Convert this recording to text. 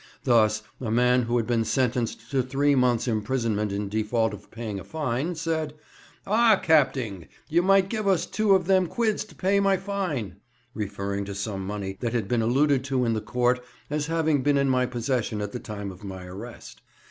Thus, a man who had been sentenced to three months' imprisonment in default of paying a fine, said, "Ah, Capting, you might give us two of them quids to pay my fine"—referring to some money that had been alluded to in the court as having been in my possession at the time of my arrest.